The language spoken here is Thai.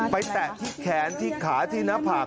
ไปแตะแขนที่ขาที่เนื้อผาก